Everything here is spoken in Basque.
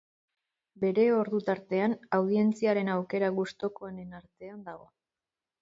Bere ordu-tartean, audientziaren aukera gustukoenen artean dago.